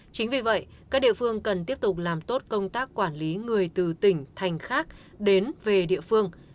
chính vì vậy các địa phương cần tiếp tục làm tốt công tác quản lý người từ tỉnh thành khác đến về địa phương